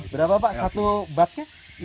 berapa pak satu baknya